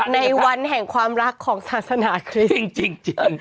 ในวันแห่งความรักของศาสนาคริสต์จริง